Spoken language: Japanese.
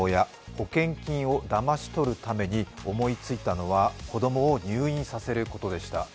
保険金をだまし取るために思いついたのは、子供を入院させることでした。